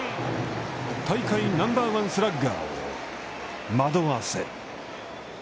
大会ナンバーワンスラッガーを惑わせる。